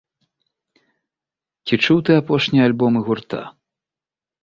Ці чуў ты апошнія альбомы гурта?